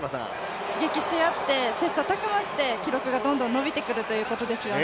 刺激しあって切磋琢磨して記録がどんどん伸びてくるということですよね。